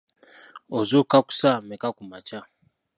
Ozuukuka ku ssaawa mmeka kumakya?